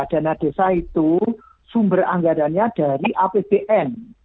dana desa itu sumber anggarannya dari apbn